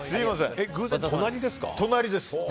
隣です。